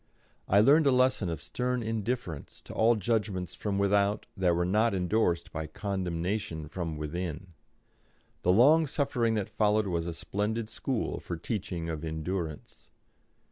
I learned a lesson of stern indifference to all judgments from without that were not endorsed by condemnation from within. The long suffering that followed was a splendid school for the teaching of endurance.